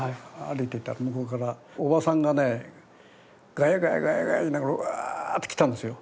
歩いてたら向こうからおばさんがねガヤガヤガヤガヤ言いながらワーッて来たんですよ。